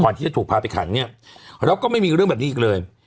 ที่จะถูกพาไปขังเนี่ยแล้วก็ไม่มีเรื่องแบบนี้อีกเลย